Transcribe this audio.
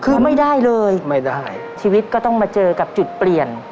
คือไม่ได้เลยไม่ได้ชีวิตก็ต้องมาเจอกับจุดเปลี่ยน